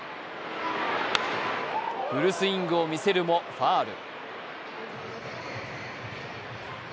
フルスイングも見せるもファウル。